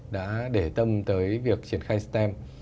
đã để tâm tới việc triển khai stem